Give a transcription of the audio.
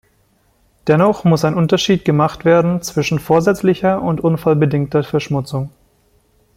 Dennoch muss ein Unterschied gemacht werden zwischen vorsätzlicher und unfallbedingter Verschmutzung.